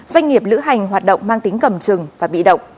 doanh nghiệp lữ hành hoạt động mang tính cầm chừng và bị động